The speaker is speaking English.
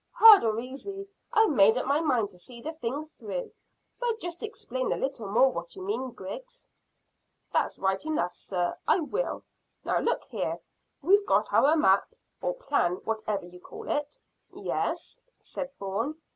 "Hard or easy, I've made up my mind to see the thing through; but just explain a little more what you mean, Griggs." "That's right enough, sir; I will. Now, look here; we've got our map, or plan, or whatever you call it." "Yes," said Bourne.